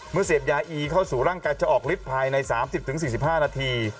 เสพยาอีเข้าสู่ร่างกายจะออกฤทธิ์ภายใน๓๐๔๕นาที